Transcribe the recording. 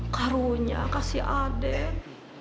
karunya kasih adek